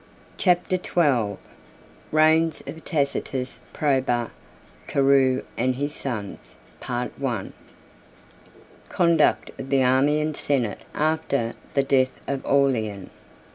] Chapter XII: Reigns Of Tacitus, Probus, Carus And His Sons.—Part I. Conduct Of The Army And Senate After The Death Of Aurelian.